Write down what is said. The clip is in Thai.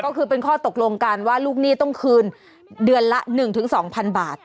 ก็คือเป็นข้อตกลงกันว่าลูกหนี้ต้องคืนเดือนละ๑๒๐๐๐บาท